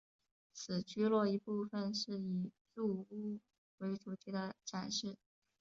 此聚落一部份是以住屋为主题的展示。